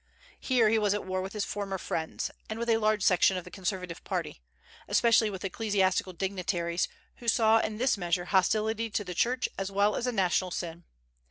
Here he was at war with his former friends, and with a large section of the Conservative party, especially with ecclesiastical dignitaries, who saw in this measure hostility to the Church as well as a national sin.